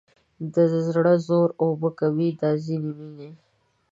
د زړه زور اوبه کوي دا ځینې مینې